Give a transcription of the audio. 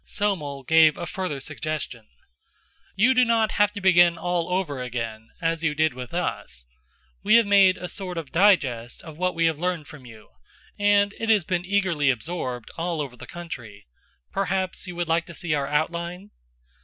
Somel gave a further suggestion. "You do not have to begin all over again, as you did with us. We have made a sort of digest of what we have learned from you, and it has been eagerly absorbed, all over the country. Perhaps you would like to see our outline?"